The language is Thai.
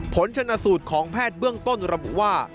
ผลชนะสูตรของแพทย์เบื้องต้นระบุว่า